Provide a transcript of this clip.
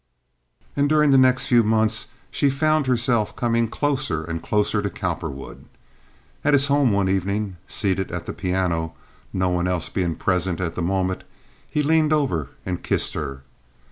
And during the next few months she found herself coming closer and closer to Cowperwood. At his home one evening, seated at the piano, no one else being present at the moment, he leaned over and kissed her.